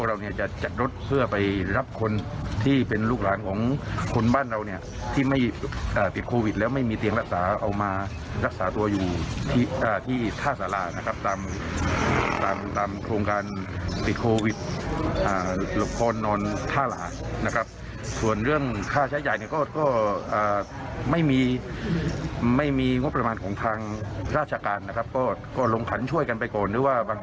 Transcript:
ราชการนะครับก็ลงขันช่วยกันไปก่อนหรือว่าบางทีถ้าย่าผู้บ่วยเขาไม่ลำบากเขาก็อาจจะสมทบมาบ้าง